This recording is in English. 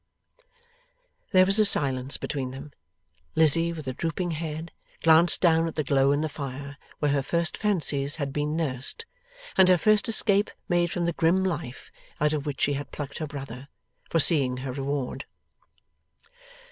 There was silence between them. Lizzie, with a drooping head, glanced down at the glow in the fire where her first fancies had been nursed, and her first escape made from the grim life out of which she had plucked her brother, foreseeing her reward.